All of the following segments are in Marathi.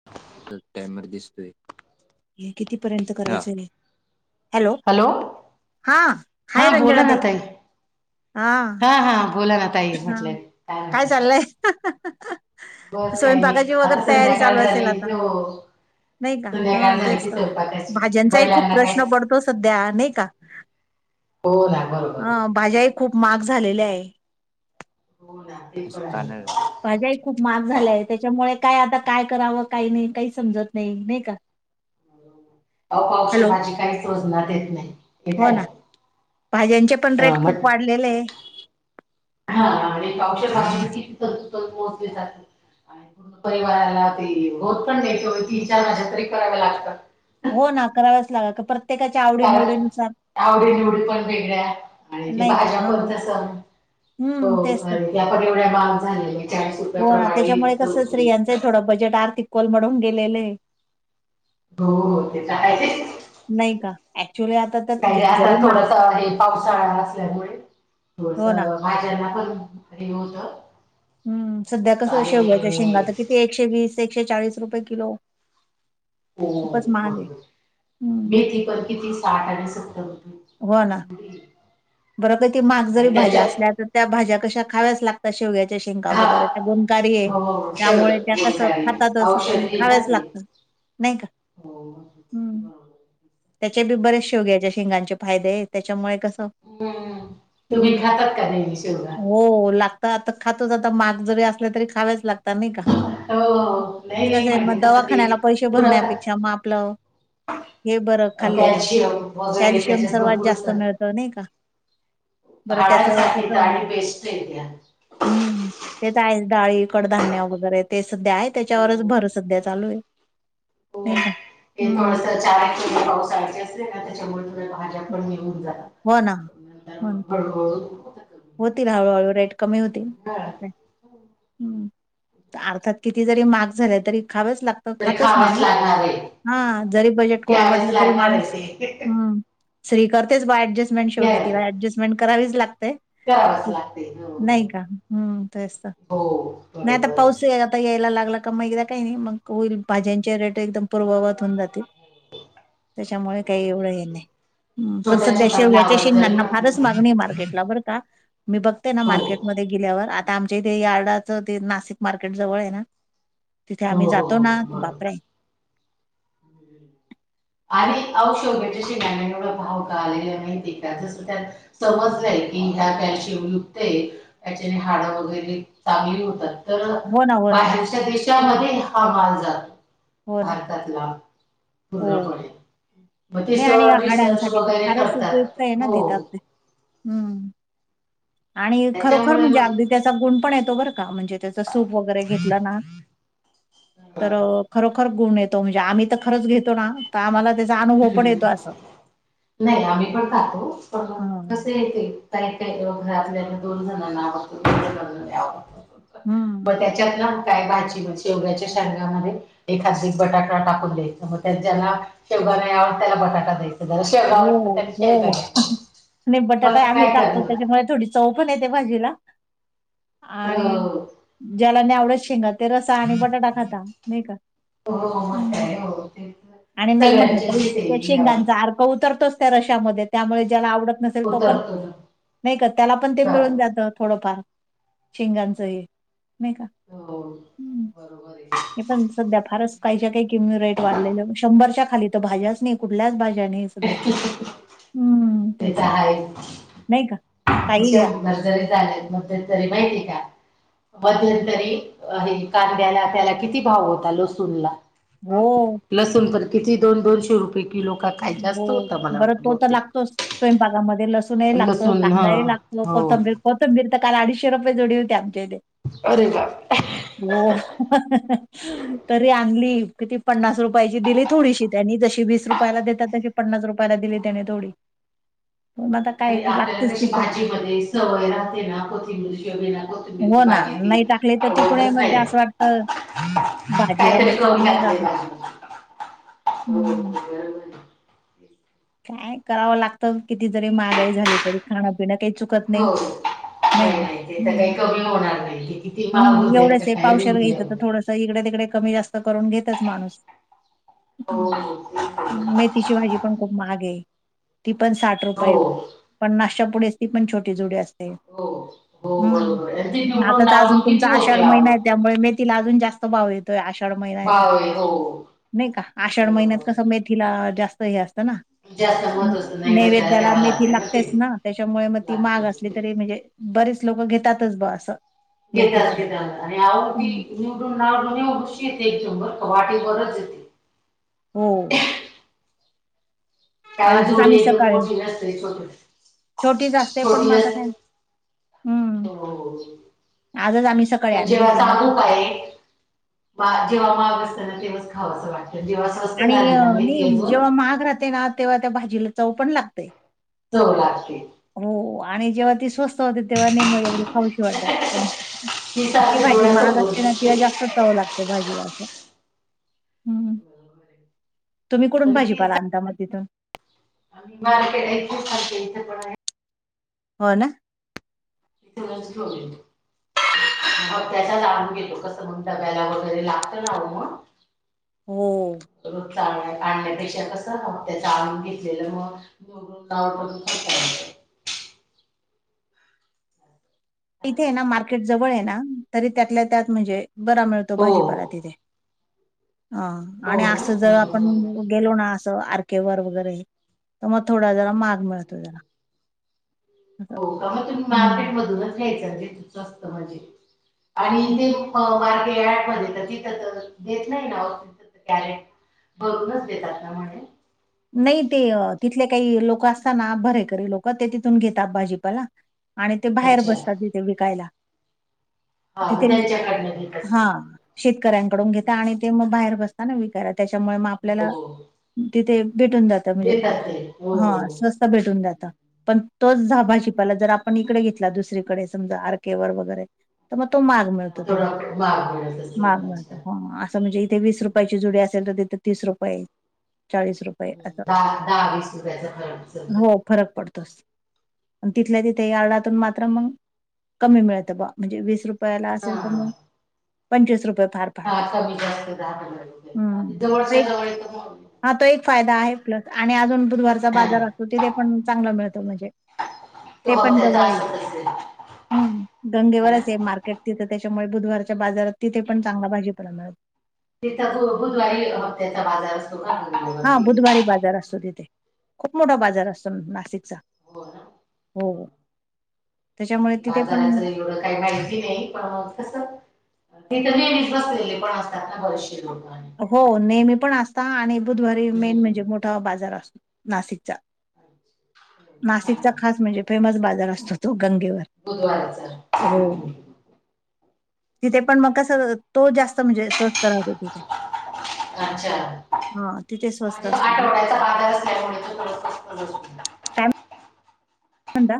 [inaudible] चात टाइमर दिसतोय हे कितीपर्यंत करायचं रे. हॅलो हा हा हाय रंजना बोला ना ताई. हा हा बोला ना ताई हा म्हटलं काय म्हणताय. काही नाही स्वयंपाकाची आता वगैर तयारी चालू संध्याकाळ असेल झाली आता. हो नाही का ह संध्याकाळ झाली तेच की त स्वयंपाकाची भाज्यांचाही खूप बैलांना काय प्रश्न पड तो सध्या नाही का हो ना बरोबर अ आहे. भाज्याही खूप महाग झालेल्या आहे. हो ना. ते पण आहे स्कॅनर लाव. भाझ्याही खूप महाग झाल्याय त्याच्यामुळे काय आता काय करावं काही नाही काही समजत नाही नाही का. [inaudible] अहो पावशेर हॅलो भाजी काहीच वजनात येत नाही हे हो काय. ना भाज्यांचे पण रेट खूप वाढलेले आहे हा औषध परिवाराला ते होत पण देतो तीन चार माझ तरी कराव्या लागतं हो ना कराव्याच लागा का पर कारण आवडी निवडी पण वेगळ्या आणि ते नाही का भाज्या हा पण कस हो हम्म तेच तर अरे त्या पण एवढ्या महाग झाले चाळीस रुपया प्रमाणे विकतो ते थोडं बजेट आर्थिक कोलमडून गेलेल आहे. हो ते तर आहेच. नाही का? ॲक्चुअली आता तर म्हणजे काही आता जरी महाग थोडस हे पावसाळा असल्यामुळे हो ना. थोडसं भाज्यांना पण हे होत हम्म सध्या कसं शेवग्याच्या शेंगा आणि तर किती एकशे वीस एकशे चाळीस रुपये किलो हो खूपच महाग आहे. बरोबर हं, मेथी पण किती साठ आणि सत्तर रुपये हो ना जुडी बरं का ती महाग जरी आणि भाज्या त्याच्यात असल्या तर त्या भाज्या कशा खाव्यास लागत शेवग्याच्या शेंगा हा वगैरे त्या गुणकारी आहे हो हो, सगळं त्यामुळे त्या कसं गुणकारी खातातच औषध हे ना खावच ते लागत हम् नाही का हो म्हशीचं हम्म बरोबर आहे. त्याचे बी बरेच शेग्याच्या शेंगांचे फायदे त्याच्यामुळे कसं हम्म तुम्ही हं. खातात का नाही शिवगा हो लागत आता खातोच आता महाग जरी असल्या तरी खावावेच लागत नाही का हो हो नाही ते कस नाही आहे मग म्हणजे कसं ते दवाखान्याला पैसे गुरं भरण्यापेक्षा खा मग आपलं हे बरं खाल्लेलं कॅल्शियम वगैरे कॅल्शियम त्याच्यात सर्वात भरपूर जास्त असतात मिळत नाही का बरं त्याच हाडांसाठी कसं तर [unintelligible] बेस्ट येतेया हम्म ते तर हायेच डाळी कडधान्य वगैरे ते सध्या आहे हो. त्याच्यावरच भर सध्या चालूय. हो. नाही का? ते थोडस चार किली पावसाळचे असते त्याच्यामुळे थोड्या भाज्या पण हे होवून जातात. हो ना नंतर हो ना मग हळू हळू होतात. होतील, हळूहळू रेट कमी होतील. हा. हम्म अर्थात किती जरी महाग झाले तरी खावेच लाग पण तरी खातचं खावाच माणूस लागणार आहे हा मग जरी बजेट घ्यावेच कोलमडलं तरी लागणार आहे माणूस ते हं स्त्री करतेच बा ऍडजस्टमेंट शेवट घ्याय तिला ऍडजस्टमेंट करावीच लागते. करावंच लागते हो नाही का? हम्म तेच तर हो नाय आता बरोबर आहे पाऊस हे आता यायला लागला का मग एकदा काही नाही मग होईल भाज्यांचे रेट एकदम पूर्ववत होऊन जातील. त्याच्यामुळे काही बरोबर एवढं हे आहे. नाही. हं पण छोट्या सध्या छोट्या शेव्याच्या फ्लावर जरी शेंगांना म्हटलं फारच ना. मागणीय मार्केटला बरं का मी बघतेय ना हो हो मार्केटमध्ये गेल्यावर आता आमच्या इथे यार्डाचं ते नाशिक मार्केट जवळय ना? तिथे आम्ही हो जातो हो ना बरोबर बापरे! हम्म. [inaudible] आणि आहो शेवग्याच्या शेंगांना एवढा भाव का आलेला माहितीये का? जसं त्यात समजलेय की ह्या कॅल्शियम युक्तय त्याच्याने हाडं वगैरे चांगली होतात. तर हो ना हो ना बाहेरच्या देशामध्ये हा माल जातो हो ना भारतातला हो पूर्णपणे मग ते नाही आणि सर रिसर्च हाडांसाठी तर वगैरे फारच करतात. उपयुक्त आहे ना हो तिथं ते हम्म आणि खरोखर त्याच्यामुळे म्हणजे मग अगदी त्याचा गुण पण येतो बरं का, म्हणजे त्याच सूप वगैरे घेतला ना [inaudible] हा. तर खरोखर गुण येतो म्हणजे आम्ही तर खरंच घेतो ना तर आम्हाला त्याचा अनुभव हं पण ह येतो असं. नाही, आम्ही पण खातोच पण म हा कसंय ते का कायी कायी घरातल्याना दोन जणांना आवडतो दोन जणना नाही आवडत हम्म मग त्याच्यात ना काय भाजी ब शेवग्याच्या शेगांमध्ये एखाद बटाटा टाकून द्यायचा. मग त्यात ज्याला शेवगा नाही आवडत त्याला बटाटा द्यायचा ज्याला शेवगा आवडत हं त्याला शेवगा हं द्यायचा नायी बटाटा मग आम्ही काय टाकतो करणार त्याच्यामुळे थोडीशी चव पण येते भाजीला आणि हो ज्याला नाही आवडत शेंगा ते रस्सा आणि बटाटा खाता नायी का? हो मग हं. काय हो ते आणि नाही म्हटलं सगळ्यांचे [unintelligible] तरी त्या घ्यावं लागत शेंगांचा अर्क उतरतोच त्या रस्स्यामध्ये त्यामुळे ज्याला आवडत नस तो पण उतरतो ना नाही का त्याला पण ते मिळून खातो जात थोडंफार शेंगांचं हे नायी का? हो हो बरोबरय नायी पण सध्या फारच काहीच्या काही किम रेट वाढलेल्या शंभरच्या खाली तर भाज्याच नायी कुठल्याच भाज्या नायी सध्या हम्म ते तेच तर नायी का? काही घ्या. शंभर जरी झाल्यात मद [unintelligible] तरी माहितीय का? मध्यंतरी हे कांद्याला त्याला किती भाव होता लसून ला हो लसूण तर किती दोन दोनशे रुपये किलो का काय हो जास्त होता मला बरं वाटतं तो तर बहुतेक लागतोच स्वयंपाकातमध्ये लसूण लसूनही लागतो लसूण हा कांदाही लागतो हो कोथंबीर कोथंबीर तर काल अडीचशे रुपये जुडी होती आमच्या इथे अरे बापरे! हो तरी आणली किती पन्नास रुपयाची दिली थोडीशी त्यांनी जशी वीस रुपयाला देतात तशी पन्नास रुपयाला दिली त्याने थोडी पण आता काय आणि आपल्याला लागतेच ती पण [unintelligible] सवय झाली ना बिना कोथिंबीर [unintelligible] पनीरची हो ना भाजी नाही टाकली तर तिकडे आवडत मग ते नाही. असं [inaudible] वाटतं ह भाजीला मग कायतर चव करून नाही घातले राहत. [inaudible] हम्म ह आहे. काय करावं लागतं किती जरी महागाई झाली तरी खाणपिनं काही चुक हो नाही नाही ते तर काही कमी होणार नाही. किती महाग हम्म होऊ दया एवढंच तर आहे काय पावशेर दे्या घ्यायचं तर थोडंसं इकडे तिकडे कमी जास्त करून घेतच माणूस हो तिची भाजी पण खूप महखगे आहे ती पण साठ हो रुपये हो पन्नाशाच्या पुढे ती पण छोटे जुडी असते. हो हो हम्म बरोबर आहे आता तर अजून तुमचा आषाढ महिना आहे त्यामुळे मेथीला अजून जास्त भाव येतो. तो आषाढ महिना येत भाव आहे हो नाही का आषाढ महिन्यात बरोबर कसं आहे मेथीला जास्त हे असतं ना जास्त महत्व असतं नाही बचायला नैवेद्याला द्यावं मेथी ती लागते ते लागतेच ना त्याच्यामुळे मग ती लागते माग असली तरी म्हणजे बरेच लोकं घेतातच ब असं मेथी घेतताच पण. घेता आणि आवी हम्म. निवडूनए झ येते एकदम बर क वाटे बरच येते हो काही आजच जुडी आम्ही एकदम सकाळी मोठी नसते छोट छोटीच असते पण छोटी मग आता काय हम्म. हो आजच आम्ही सकाळी पण आणली जेव्हा होती सांगू मेथीची काय जेव्हा महाग असतं ना तेव्हाच खावं असं वाटतं जेव्हा स्वस्त आणि झाली ना मेथी नाही अजून जेव्हा महाग राहते ना तेव्हा त्या भाजीला चव पण लागते चव लागते हो आणि जेव्हा ती स्वस्त होते तेव्हा नेमकी एवढी खाऊशी वाटत नाही ती जी सारखी भाजी महाग डोळ्यासमोर असते ना दिसते तिला जास्त चव लागते भाजी अस हम् तुम्ही कुठून भाजी पाला आणता मग तिथून आणि मार्केट आहे खूप सारखे इथे पण आहे हो ना, तेवढाच स्टॉल [inaudible] मग त्याच्या लांब गेलो कसं डब्याला वगैरे लागत ना ओ मग हम्म रोज चालत आणण्यापेक्षा कसं ना त्याच आणून घेतलेलं मग तुम्ही [unintelligible] इथे हॅलो आहे ना मार्केट जवळ आहे ना तरी त्यातल्या त्यात म्हणजे बरा मिळतो हो भाजीपाला तिथे. ह हो आणि ना असं जर आपण हम्म. गेलो ना असं आर केे वर वगैरे तर मग थोडा जरा महाग मिळतो जरा. असं. हो का मग तुम्ही हं. मार्केट मधूनच घ्यायचं तेे स्वस्त असत म्हणजे आणि हं. तेे बारकेट मध्ये तर तिथं तर देत नाही ना त कॅरेट भगुनच देतात ना म्हणे नाही ते तिथले काही लोक असतात ना भरे कररी लोक ते तिथून घेतात भाजीपाला आणि ते बाहेर अच्छा बसतात तिथे विकायला हा तिथे मग त्यांच्याकडनं घेत हा असेल शेतकऱ्यांकडून घेता हा. आणि ते मग बाहेर बसताना विकायला त्याच्यामुळे मग आपल्याला हो तिथे भेटून जात म्हणजे देतात ते हो हा स्वस्त भेटून जातं पण तोच झा भाजीपाला जर आपण इकडे घेतला दुसरीकडे समजा आर केे वर वगैरे तर मग तो महाग मिळतो हा, थोडा महाग मिळत महाग असेल अच्छा मिळतो हो मजे इथे वीस रुपयाची जुडी असेल तर तिथे तीस रुपये चाळीस रुपये दहा दहा वीस रुपयाचा फरक समजा हो, फरक पडतोस तिथल्या तिथे यार्डातून मा तर मग कमी मिळत बा म्हणजे वीस रुपयाला हा असेल तर हा मग पंचवीस रुपये फार हा फाडतात कमी जास्त दहा पंजार हम्म रुपये तो जवळच्या एक जवळ तर हा तो एक फायदा आहे प्लस आणि अजून बुधवार हा, बाजार असतोथ पण चांगला मिळतो म्हणजे तो ते पण हप्त्याचा जवळ असत असेल हम् है ना गंगेवरच आहे मार्केट तिथं त्याच्यामुळे बुधवारच्या बाजारात तिथे पण चांगला भाजीप मिळत तिथ हो बुधवारी हफ्त्याचा बाजार असतो तु घालून आले हा बुधवारी बाजार असतो तिथे खूप मोठा बाजार अच्छा. असतो नाशिकचा हो ना. हो त्याच्यामुळे तिथे पण बाजाराच एवढं काही माहिती नाही कस तिथे लेडीज बसलेले पण असतात ना बरेचसे लोक हो नेहमी पण असता आणि बुधवारी मेन हम्म. म्हणजे मोठा बाजार असतो नाशिकचा नाशिकचा खास म्हणजे फेमस बाजार असतो तो गंगेवर बुधवारचा हो. तिथे पण मग कस तो जास्त म्हणजे स्वस्थ राहतो तिथे अच्छा हां तिथे स्वस्त म्हणजे असते आठवड्याचा बाजार असल्यामुळे सगळ स्वस्तच असत होंडा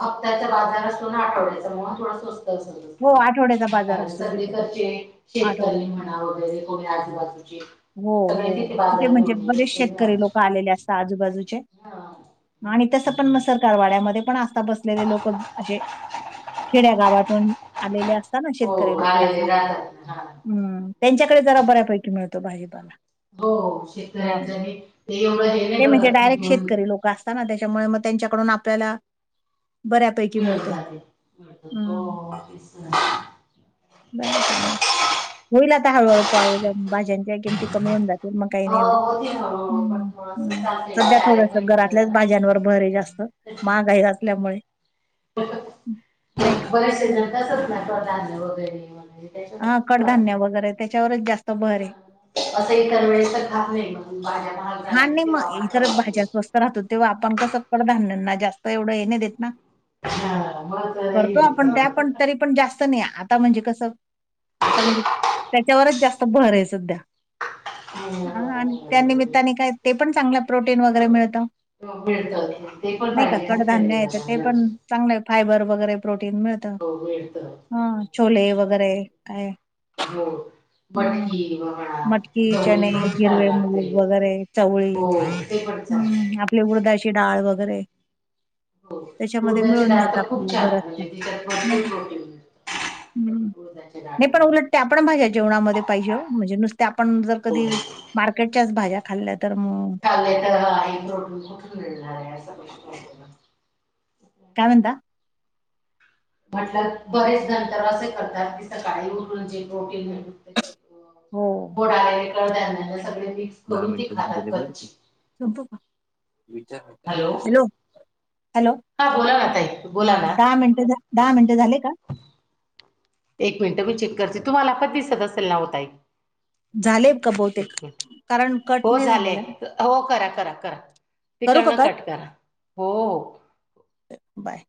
हप्त्याच्या बाजार असतो ना आठवड्याचं मणून थोड स्वस्त असत हो आठवड्याचा बाजार कारण असतो सगळे तिथे कसे शेतकरी आठवड्याचा. म्हणा वगैरे थोडे आजूबाजूचे हो सगळे हो तिथे बाजार म्हणजे घेऊन येत बरेच असतील ना शेतकरी लोक आलेले असतात आजूबाजूचे हा. आणि तसं पण हम्म. मसरकारवाड्यामध्ये पण आता बसलेले लोक असे खेड्या गावातून आलेले असतातना हो शेतकरी लोक आलेले डायरेक्ट राहतात ना हा हम्म त्यांच्याकडे जरा बरोबर. बऱ्यापैकी मिळतो भाजीपाला हो हा. शेतकऱ्यांच ते एवढं हे नाही बघात की दोन सांग त्याच्यामुळे मग त्यांच्याकडून आपल्याला बऱ्यापैकी मिळ मिळतो ज मिळत हम्म होस बरं होईल आता हळूहळू पा भाज्यांच्या किमती कमी होऊन जात मग काही हो नाही होती हळूहळू पण एवढं थोडस चालते सध्या चार थोड एक महिने जरा घरातल्याच ना भाज्यांवर भरे जास्त माघहीचल्यामुळे बऱ्याच शेतकऱ्यांन कड असत नाही कडधान्य वगैरे वगैरे हा कडधान्य वगैरे त्याच्यावरच जास्त भर आहे असं इतर वेळेस तर खात नाही म्हणून भाज्या महाग हा झाल्या नाही की तेव्हा मग आपण इतर ठरवतो भाज्या स्वस्त राहतो तेव्हा आपण कसं कडधान्यांना जास्त एवढं हे नाही देत ना हा मग तर नाही करतो देत आपण त्या तेवढं पण तरी पण जास्त नाही आता म्हणजे कसं आता म्हणजे त्याच्यावरच जास्त भर आहे सध्या हम्म, हा आणि बरोबर आहे. त्यानमित्ताने काय ते पण चांगलं प्रोटीन वगैरे मिळतं मिळत ते पण पाहिजे नाज चांगले फायबर वगैरे प्रोटीन मिळत हो मिळतं हा छोले वगैरे काय हो हम्म मटकी वहणा मटकी, तेवळी चणे, पण छान हिरवे लागते मूग वगैरे चवळी हो ते पण चांगलं हम्म आपली उडदाची डाळ वगैरे हो त्याच्यामध्ये उडदाची मिळून डाळ जात तर खूप आपल्याला छान बराचसा म्हणजे तिच्यात भरपूर प्रोटीन मिळतं हम्म उडदाच्या नाही पण डाळीमध्ये उलटते आपण भाझ्या जेवणामध्ये पाहिजे म्हणजे नुसते आपण जर हो कधी मार्केटच्याच भाज्या खाल्ल्या तर मग लय तरोडून कुठून मिळणार आहे अस काय म्हणता म्हटलं बरेच नंतर असे करतात की सकाळी उठून जे प्रोटीन हो मोडा आलेलं कडधान्य सगळे मिक्स करून ती खातात कच्ची चलतो कां विचार मग त्यांना हॅलो हॅलो हा बोला ना ताई हां बोला ना दहा मिनटं दया दहा मिनटं झाले का? एक मिनट मी चेक करते तुम्हाला पण दिसत असेल ना ओ ताई झाले का बहुतेक एकमिट कारण कट हो नाही झाले झालेला. हो करा करा करा. करू का तिकळणा कट करा हो हो. बाय.